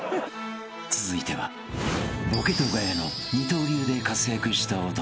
［続いてはボケとガヤの二刀流で活躍した男］